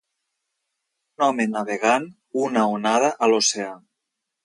Un home navegant una onada a l'oceà.